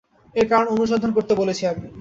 এর কারণ অনুসন্ধান করতে বলেছি আমি।